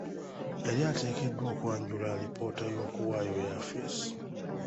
Yali ateekeddwa okwanjula alipoota y'okuwaayo yafesi.